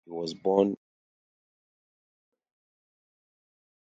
He was born in Moray.